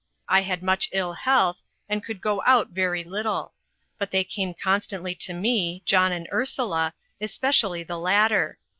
I had much ill health, and could go out very little; but they came constantly to me, John and Ursula, especially the latter.